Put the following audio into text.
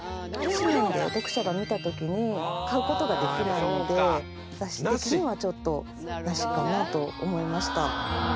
誌面では読者が見た時に買うことができないので雑誌的にはちょっとなしかなと思いました